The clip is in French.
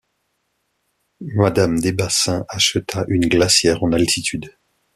Madame Desbassyns acheta une glacière en altitude.